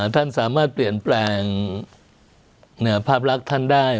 ท่านสามารถเปลี่ยนแปลงภาพลักษณ์ท่านได้